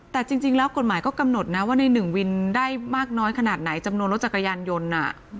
แต่จริงแล้วกฎหมายก็กำหนดนะว่าในหนึ่งวินได้มากน้อยขนาดไหนจำนวนรถจักรยานยนต์